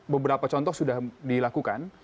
beberapa contoh sudah dilakukan